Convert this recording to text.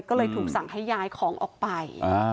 ก็เลยถูกสั่งให้ย้ายของออกไป